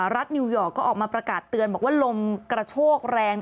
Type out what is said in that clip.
นิวยอร์กก็ออกมาประกาศเตือนบอกว่าลมกระโชกแรง